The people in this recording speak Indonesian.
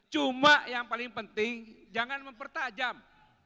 cuma yang paling penting jangan mempertajam